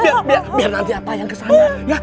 jangan jangan biar nanti apaan yang ke sana